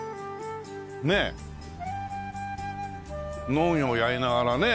農業やりながらね。